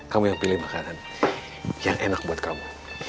kamu yang pilih makanan yang enak buat kamu